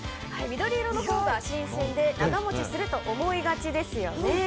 緑色のほうが新鮮で長持ちすると思いがちですよね。